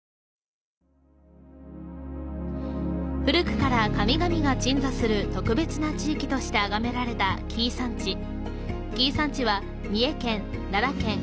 古くから神々が鎮座する特別な地域としてあがめられた紀伊山地。